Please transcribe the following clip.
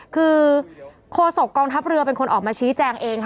คือโคศกกองทัพเรือเป็นคนออกมาชี้แจงเองค่ะ